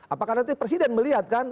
apakah nanti presiden melihat kan